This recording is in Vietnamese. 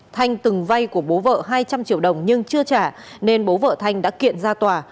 thanh từng vay của bố vợ hai trăm linh triệu đồng nhưng chưa trả nên bố vợ thanh đã kiện ra tòa